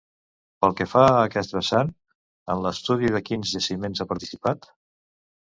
Pel que fa a aquest vessant, en l'estudi de quins jaciments ha participat?